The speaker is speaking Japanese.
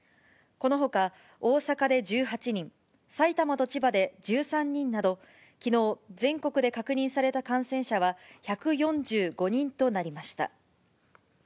このほか、大阪で１８人、埼玉と千葉で１３人など、きのう全国で確認された感染者は１４５人となりました。